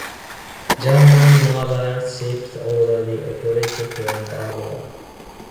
German naval ships already operated from Berbera.